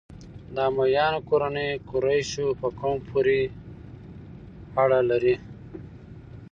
د امویانو کورنۍ قریشو په قوم پورې اړه لري.